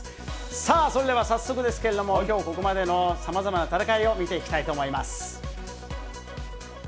さあ、それでは早速ですけれども、きょうここまでのさまざまな戦いを見ていきたいと思います。